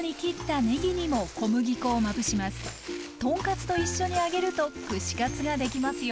豚カツと一緒に揚げると串カツができますよ。